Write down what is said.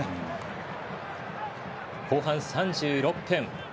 後半３６分。